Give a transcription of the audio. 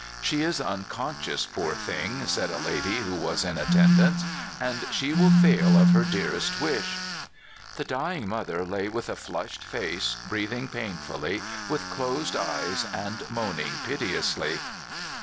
'* She is unconscious, poor thing!" said a lady who was in attendance, " and she will fail of her dearest wish.'' The dying mother lay with a flushed face, breath ing painfully, with closed eyes, and moaning pite ously.